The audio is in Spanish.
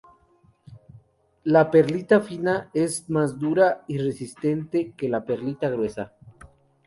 La perlita fina es más dura y resistente que la perlita gruesa.